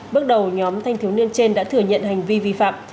bước đầu nhóm thanh thiếu niên trên đã thừa nhận hành vi vi phạm